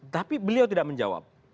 tapi beliau tidak menjawab